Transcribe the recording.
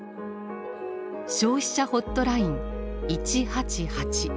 消費者ホットライン１８８いやや。